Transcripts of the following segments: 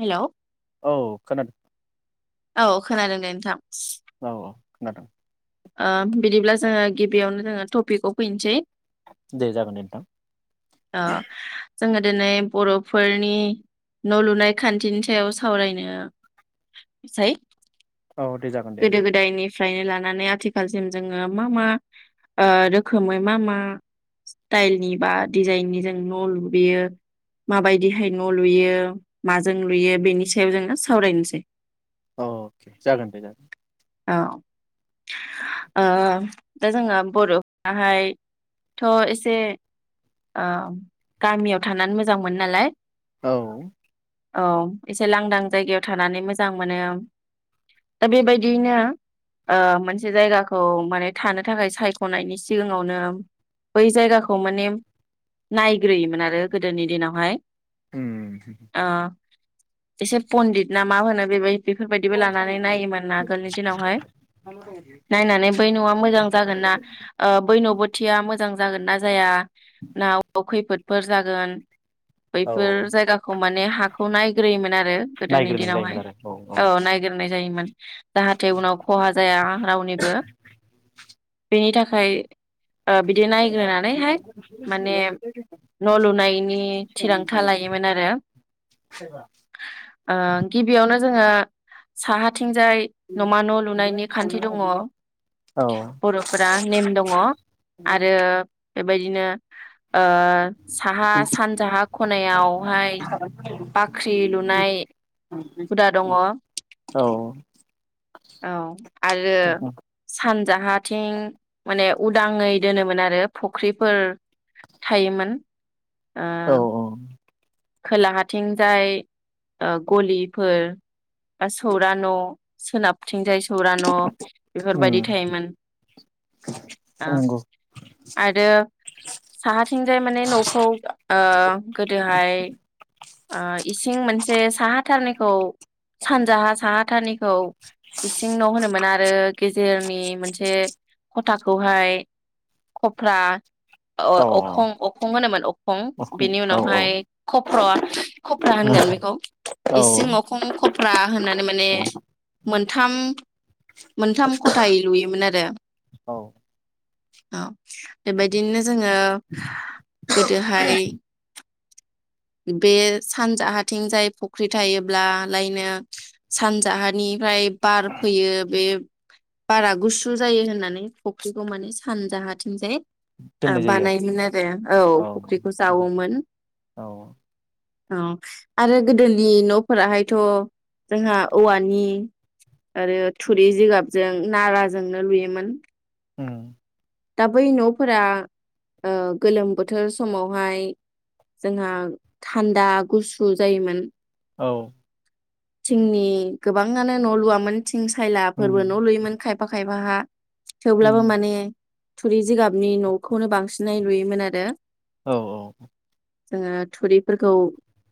Hello औ खोनादों? औ खोनादों दे नोंथां । औ औ । खोनादों ओ बिदिब्ला जोङो गिबियावनो जोङो टपिकआव फैनोसै दे जागोन दे नोंथां ओ । जोङो दिनै बरफोरनि न लुनाय खान्थिनि सायाव सावरायनोसै । औ दे जागोन दे नोंथां । फ्रायनो लानानै आथिखालसिम जोङो मा मा रोखोमै मा मा स्टाइलनि बा डिजाइननि जों न लुयो माबायदिहाय न लुयो माजों लुयो बेनि सायाव जोङो सावरायनोसै। अके जागोन दे जागोन । औ दा जोङो बरफ्राहायथ एसे औ गामियाव थानानै मोजां मोनो नालाय औ । औ एसे लांदां जायगायाव थानानै मोजां मोनो दा बेबायदियैनो मोनसे जायगाखौ माने थानो थाखाय सायख नायनि सिगाङावनो बै जायगाखौ माने नायग्रोयोमोन आरो गोदोनि दिनावहाय उम । ओ एसे पणडित ना मा होनो बेबायदि बेफोरबायदिबो लानानै नायोमोन आगोलनि दिनावहाय नायनानै बै न'आ मोजां जागोन ना बै न' बोथिया मोजां जागोन ना जाया ना खैफोदफोर जागोन औ बैफोर जायगाखौ माने हाखौ नायग्रोयोमोन आरो गोदोनि नायग्रोनाय जायोमोन दिनावहाय आरो औ नायग्रोनाय जायोमोन जाहाथे उनाव खहा जाया रावनिबो बेनि थाखाय बिदि नायग्रोनानैहाय न' लुनायनि थिरांथा लायोमोन आरो गिबियावनो दा जोङो साहा थिंजाय न'मा न' लुनायनि खान्थि दङ औ बर'फोरा नेम दङ आरो बेबायदिनो ओ साहा सानजाहा खनायावहाय बाख्रि लुनाय हुदा दङ औ औ आरो सान जाहाथिं माने उदाङै दोनोमोन आरो फुख्रिफोर थायोमोन ओ औ औ खोलाहाथिंजाय गलिफोर बा सौरा न' सोनाब थिंजाय सौरा न' बेफोरबायाददि उम थायोमोन नंगौ आरो साहाथिंजाय माने न'खौ गोदोहाय इसिं मोनसे साहाथारनिखौ सानजाहा साहाथारनिखौ इसिं न' होनोमोन आरो गेजेर आनि मोनसे खथाखौहाय खफ्रा औ अखं अखं होनोमोन अखं बेनि औ उनावहाय खफ्र खफ्रा होनगोन बेखौ औ इसिं अखं खफ्रा होननानै माने मोनथाम मोनथाम खथायै लुयोमोन आरो औ औ बेबायदिनो जोङो गोदोहाय बे सानजाहाथिंजाय फुख्रि थायोब्ला लायनो सानजाहानिफ्राय बार फैयो बे बारा गुसु जायो होननानै फुख्रिखौ माने सानजाहाथिंजाय दोननाय जायो बानायोमोन आरो औ फुख्रिखौ जावोमोन औ औ आरो गोदोनि न'फोराहायथ' जोंहा औवानि आरो थुरि जिगाबजों नाराजोंनो लुयोमोन हो दा बै न'फोरा गोलोम बोथोर समावहाय जोंहा थान्दा गुसु जायोमोन औ जोंनि गोबाङानो न' लुवामोन थिं उम सायलाफोरबो न' लुयोमोन खायफा खायफा बहा थेवब्लाबो उम माने थुरि जिगाबनि न'खौनो बांसिनै नुयोमोन आरो। औ औ जोङो थुरिफोरखौ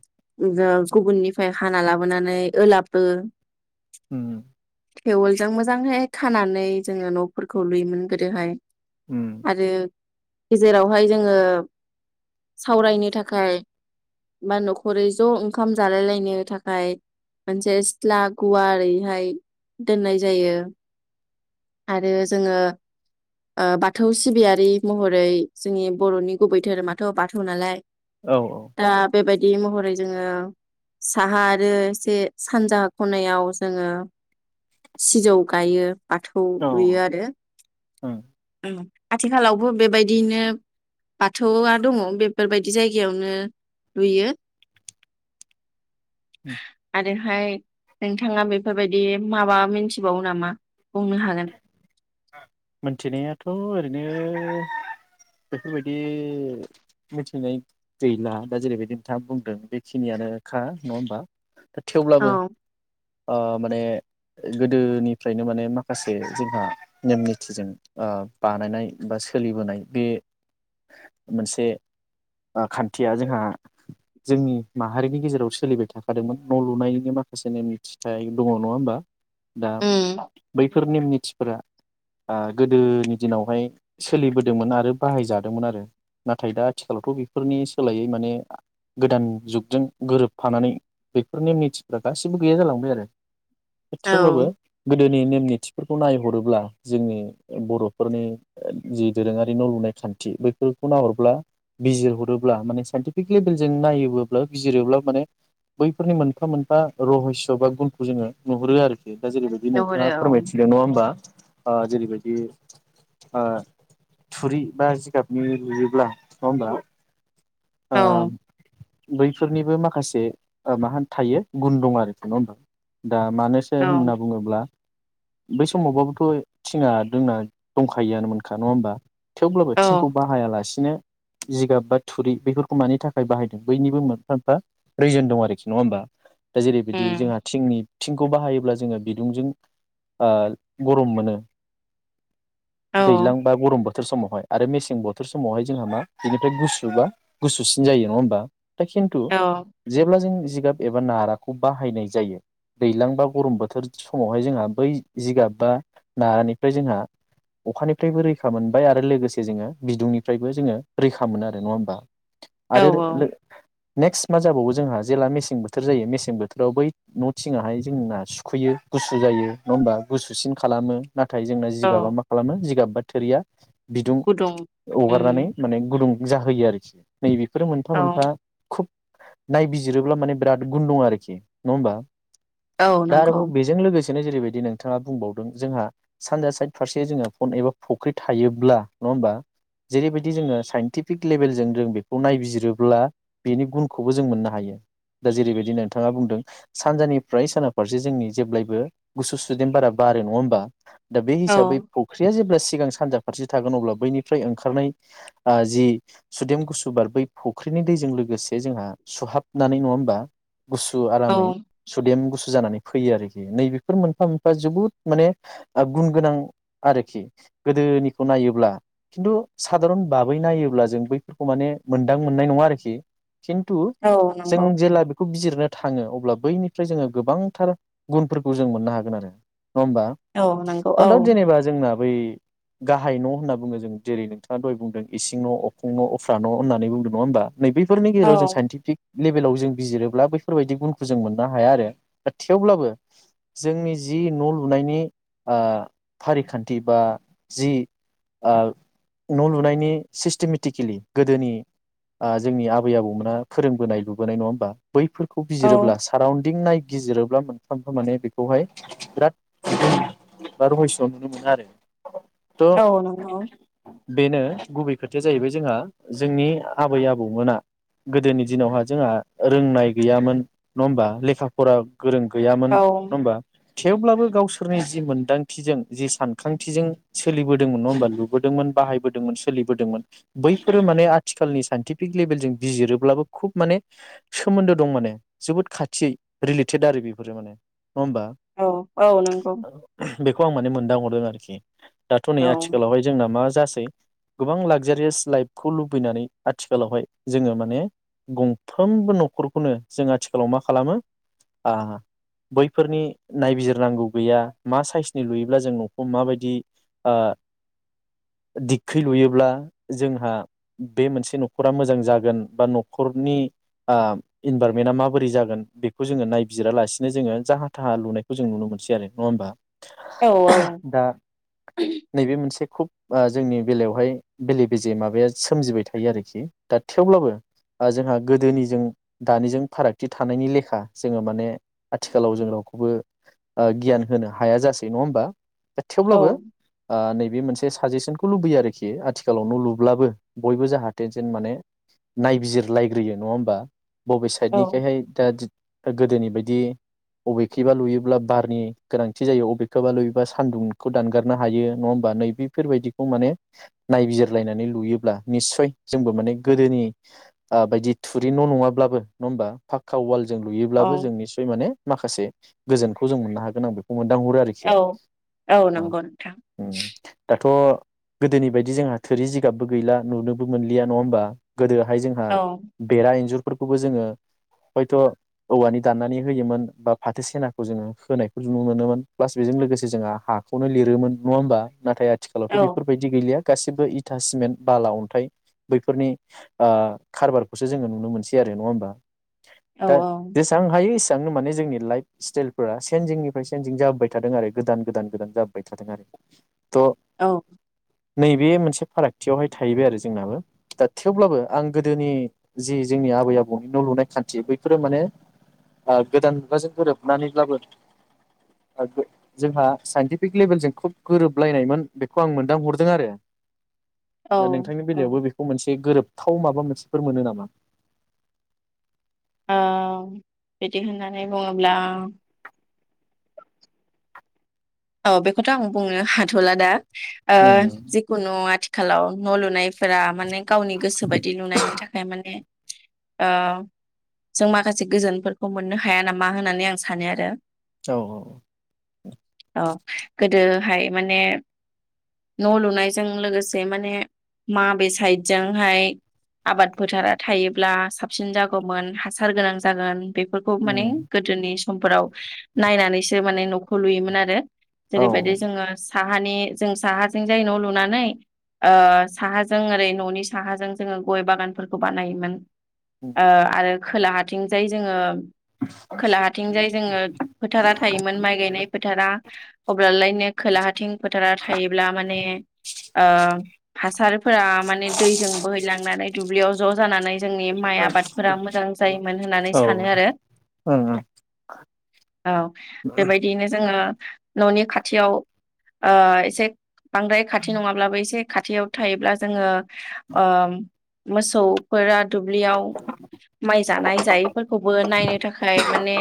[inaudible] गुबुननिफ्राय हाना लाबोनानै ओलाबबो उम थेवलजों मोजांहाय खानानै जोङो न'फोरखौ लुयोमोन गोदोहाय। उम आरो गेजेरावहाय जोङो सावरायनो थाखाय बा न'खरै ज' ओंखाम जालायलायनो थाखाय मोनसे सिथ्ला गुवार ओरैहाय दोननाय जायो। आरो जोङो बाथौ सिबियारि महरै जोंनि बर'नि गुबै धोरोमाथ' बाथौ नालाय औ औ दा बे बाइ बे महरै जोङो साहा आरो एसे सानजाहा खनायाव जोङो सिजौ गायो। बाथौ औ लुयो आरो उम [inaudible] आथिखालावबो बेबायदिनो बाथौआ दङ बेफोरबायदि बिदि जायगायावनो नुयो। [unintelligible] ओरैहाय नोंथाङा बेफोरबायदि माबा मिथिबावो नामा? बुंनो हागोन। मिथिनायाथ' ओरैनो बेफोरबायदि मिथिनाय गैला दा जेरैबायदि नोंथाङा बुंदों बेखिनियानोखा नङा होमबा। थेवब्लाबो औ ओ माने गोदोनिफ्रायनो माने माखासे जोंहा नेम निथिजों ओ बानायनाय बा सोलिबोनाय बे मोनसे खान्थिया जोंहा जोंनि माहारिनि गेजेराव सोलिबाय थाखादोंमोन न' लुनायनि माखासे नेम निथिथाय दङ नङा होमबा। दा उम बैफोरनिम निथिफोरा आ गोदोनि दिनावहाय सोलिबोदोंमोन आरो बाहायजादोंमोन आरो नाथाय दा आथिखालावथ' बेफोरनि सोलायै माने गोदान जुगजों गोरोबफानानै बेफोरनि मिथिफ्रा गासिबो गैया जालांबाय आरो। औ थेवब्लाबो गोदोनि नेम निथिफोरखौ नायहरोब्ला जोंनि बर'फोरनि जि दोरोङारि न' लुनाय खान्थि बैफोरखौ नाहरब्ला बिजिरहरोब्ला माने साइन्टिफिक लेभेलजों नायोबोब्ला बिजिरोब्ला माने बैफोरनि मोनफा मोनफा रहस' बा गुनखौ जोङो नुहरो आरोखि। दा जेरैबायदि नोंथाङा नुहुरो फोरमायथिदों नङा होमबा ओ जेरैबायदि ओ थुरि बा जिगाबनि लुयोब्ला नङा होमबा ओ औ बैफोरनिबो माखासे मा होन थायो गुन दं आरो नङा होनबा दा मानोसो औ होनना बुङोब्ला बै समावबाबोथ' थिङा दोंना दंखायोआनो मोनखा नङा होमबा? थेवब्लाबो औ थिंखौ बाहायालासिनो जिगाब बा थुरि बेफोरखौ मानि थाखाय बाहायदों बैनिबो मोनफा मोनफा रिजन दं आरोखि नङा होमबा। दा जेरैबायदि उम जोंहा थिंनि थिंखौ बाहायोब्ला जोङो बिदुंजों ओ गरम मोनो। औ दैज्लां बा गरम बोथोर बोथोर समावहाय आरो मेसें बोथोर समावहाय जोंहा मा बेनिफ्राय गुसु बा गुसुसिन जायो नङा होमबा। खिन्थु औ जेब्ला जों जिगाब एबा नाराखौ बाहायनाय जायो दैज्लां बा गरम बोथोर समावहाय जोंहा बै जिगाब बा नारानिफ्राय जोंहा अखानिफ्रायबो रैखा मोनबाय आरो लोगोसे जोङो बिदुंनिफ्रायबो जोङो रैखा मोनो आरो नङा होमबा। आरो औ [unintelligible] नेक्स्ट मा जाबावो जोंहा जेला मेसें बोथोर जायो मेसें बोथोराव बै न'थिङाहाय जोंना सुखैयो गुसु जायो नङा होमबा गुसुसिन खालामो। नाथाय जोंना औ जिगाबा मा खालामो जिगाब बा थुरिया बिदुं गुदुं उम हगारनानै माने गुदुं जाहोयो आरोखि। नैबे फोरो मोनफा औ मोनफा खुब नायबिजिरोब्ला माने बिराद गुन दं आरोखि नङा होमबा। औ दा नंगौ आरोबाव बेजों लोगोसे बेनो जेरैबायदि नोंथाङा बुंबावदों जोंहा सानजा साइद फारसे जोंहा फन एबा फुख्रि थायोब्ला नङा होमबा जेरैबायदि जोङो साइनटिफिक लेभेलजों जों बे खौ नायबिजिरोब्ला बेनि गुनखौबो जों मोननो हायो। दा जेरैबायदि नोंथाङा बुंदों सानजानिफ्राय साना फारसे जोंनि जेब्लायबो गुसु सुदेम बारा बारो नङा होमबा। दा बे औ हिसाबै फुख्रिया जे सिगां सानजा फारसे थागोन अब्ला बैनिफ्राय ओंखारनाय ओ जि सुदेम गु सु बार बै फुख्रिनि दैजों लोगोसे जोंहा सुहाबनानै नङा होमबा गुसु औ आरामै सुदेम गुसु जानानै फैयो आरोखि नैबेफोर मोनफा मोनफा जोबोद माने गुन गोनां आरोखि गोदोनिखौ नायोब्ला खिन्थु सादारन बाबै नायोब्ला जों बैफोरखौ माने मोनदां मोननाय नङा आरोखि। खिन्थु औ जों नंगौ जेला बे खौ बिजिरनो थाङो अब्ला बैनिफ्राय जोङो गोबांथार गुनफोरखौ जों मोननो हागोन आरो। नङा होमबा। औ नंगौ औ नडाउट जेनेबा जोंना बै गाहाय न' होनना बुङो जों जेरै नोंथाङा दहाय बुंदों इसिं न', अखुं न', उफ्रा न' होननानै बुंदों नङा होमबा। नैबेफोरनि औ गेजेराव जों साइन्टिफिक लेभेलाव जों बिजिरोब्ला बैफोरबायदि गुनखौ जों मोननो हाया आरो दा थेवब्लाबो जोंनि जि न' लुनायनि ओ फारिखान्थि बा ओ जि न' लुनायनि सिस्टेमेटिकेलि गोदोनि ओ जोंनि आबै आबौमोना फोरोंबोनाय लुबोनाय नङा होमबा बैफोरखौ औ बिजिरोब्ला साराउन्ड दिं नायगिजिरोब्ला मोनफा मोनफा माने बेखौहाय बिराद बा रहयस' नुनो मोनो आरो। थ' औ नंगौ। बेनो गुबै खोथाया जाहैबाय जोंहा जोंनि आबै आबौमोना गोदोनि दिनावहा जोंहा रोंनाय गैयामोन नङा होमबा लेखा फरा गोरों गैयामोन औ नङा होमबा थेवब्लाबो गावसोरनि जि मोनदांथिजों जि सानखांथिजों सोलिबोदोंमोन नङा होमबा लुबोदोंमोन बाहायबोदोंमोन सोलिबोदोंमोन बै बेफोरो माने आथिखालनि साइनटिफिक लेभेलजों बिजिरोब्लाबो खुब माने सोमोन्दो दं माने जोबोद खाथियै रिलेटेद आरो बेफोरो माने होमबा औ औ नंगौ। बेखौ आं माने मोनदां हरदों आरोखि दाथ' नै औ आथिखालावहाय जोंना मा जासै गोबां लागजारियास लाइफ खौ लुबैनानै आथिखालावहाय जोङो माने गंफ्रोमबो न'खरखौनो जों आथिखालाव मा खालामो बैफोरनि नायबिजिरनांगौ गैया मा साइसनि लुयोब्ला जों न'खौ माबायदि दिखै लुयोब्ला जोंहा। बे मोनसे न'खरा मोजां जागोन बा न'खरनि इनभाररमेन्टआ माबोरै जागोन बेखौ जोङो नायबिजिरालासिनो जोङो जाहा थाहा लुनायखौ जों नुनो मोनसै आरो नङा होमबा। औ औ दा नैबे मोनसे खुब जोंनि बेलायावहाय बेले बेजे माबाया सोमजिबाय थायो आरोखि दा थेवब्लाबो जोंहा गोदोनिजों दानिजों फारागथि थानायनि लेखा जोङो माने आथिखालाव जों रावखौबो गियान होनो हाया जासै नङा होमबा। दा थेवब्लाबो आ नैे बे मोनसे साजेसनखौ लुबयो आरोखि आथिखालाव न' लुब्लाबो बयबो जाहाथे जेनमाने नायबिजिरलायग्रोयो नङा होमबा। बबे साइडनिखायहाय दा गोदोनि बायदि बबेखेबा लुयोब्ला बारनि गोनांथि जायो बबेखबा लुयोबा सान्दुंखौ दानगारनो हायो नङा होमबा नैबेफोरबायदिखौ माने नायबिजिरलायनानै लुयोब्ला निसय जोंबो माने गोदोनि बायदि थुरि न' नङाब्लाबो नङा होमबा फाखक्का वाल जों औ लुयोब्लाबो जों निस्सय माने माखासे गोजोनखौ जों मोननो हागोन मोनदांहरो आरोखि औ औ नंगौ नोंथां थ' गोदोनि बायदि जोंहा थोरि जिगाबबो गैला। नुनोबो मोनलिया नङा होमबा। गोदोहाय जोंहा औ बेरा इन्जुर फोरफोरखौबो जोङो हयथ' औवानि दाननानै होयोमोन बा फाथो सेनाखौ जोङो होनायखौ नुनो मोनोमोन प्लास बेजों लोगोसे जोंहा हाखौनो लिरोमोन नङा होमबा नाथाय औ आथिखालावथ' बेफोरबायदि गैलिया गासैबो इथा सिमेन्ट बाला अन्थाइ बैफोरनि आ खारबारखौसो जोङो नुनो मोनसै आरो नङा होमबा। औ दा जेसां हायो ए थांनो माने जोंनि लाइफ स्टाइलफोरा सेेनजिंनिफ्राय सेनजिं जाबाय थादों आरो गोदान गोदान गोदान जाबाय थादों आरो। थ' औ नैबे मोनसे फाराग थियावहाय थाहैबाय आरो जोंनाबो दा थेवब्लाबो आं गोदोनि जि जोंनि आबै आबौनि न' लुनाय खान्थि बैफोरो माने गोदान मुगाजों गोरोबनानैब्लाबो जोंहा साइन्टिफिक लेभेलजों खोब गोरोबलायनायमोन बेखौ आं मोनदांहरदों आरो औ दा नोंथांनि औ बेलायावबो बेखौ मोनसे गोरोब थाव माबा मोनसेफोर मोनो नामा आ बिदि होननानै बुङोब्ला औ बेखौथ' आं बुंनो हाथ'ला दा ओ उम जिखुनु आथि आथिखालाव न' लुनायफोरा माने गावनि गोसो बायदि नुनायनि थाखाय माने आ जों माखासे गोजोनफोरखौ मोननो हाया नामा होननानै आं सानो आरो औ औ औ गोदोहाय माने न' लुनायजों लोगोसे माने माबे साइडजोंहाय आबाद फोथारा थायोब्ला साबसिन जागौमोन हासार गोनां जागोन बेफोरखौ माने उम गोदोनि समफोराव नायनानैसो माने न'खौ लुयोमोन आरो‌ [unintelligible] औ जेरैबायदि जोङो साहानि जों साहाजों जाय न' लुनानै ओ साहाजों ओरै न'नि साहाजों जोङो गय बागानफोरखौ बानायोमोन ओ आरो खोला हाथिंजाय जोङो खोलाहााथिंजाय जोङो फोथारा थायोमोन माइ गायनाय फोथारा अब्लालायनो खोलाहाथिं फोथारा थायोब्ला माने ओ‌ हासारफोरा माने दैजों बोहैलांनानै दुब्लियाव ज' जानानै जोंनि माइ आबादफोरा मोजां जायोमोन होननानै औ ओं सानो आरो ओं औ बेबायदियैनो जोङो न'नि खाथियाव ओ एसे बांद्राय खाथि नङाब्लाबो एसे खाथियाव थायोब्ला जोङो ओ मोसौफोरा दुब्लियाव माइ जानाय जायैफोरखौबो नायनो थाखाय माने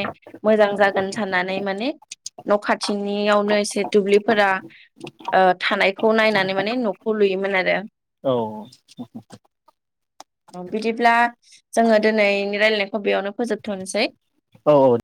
मोजां जागोन साननानै माने न' खा खाथिंनियावनो एसे दुब्लिफोरा ओ थानायखौ नायनानै माने न'खौ लुयोमोन आरो ओम बिदिब्ला। जोङो दिनै नि रायलायनायखौ बेयावनो फोजोबथ'नोसै। औ औ।